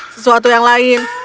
sesuatu yang lain